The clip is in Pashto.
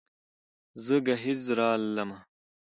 زه ګهيځ رالمه